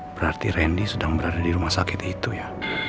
berarti randy sedang berada di rumah sakit itu ya